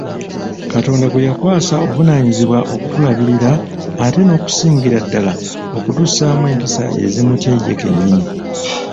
Katonda gwe yakwasa obuvunaanyizibwa okutulabirira ate n'okusingira ddala okutussaamu empisa ezimutya ye kennyini.